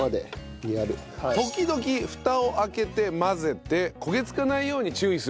時々フタを開けて混ぜて焦げつかないように注意すると。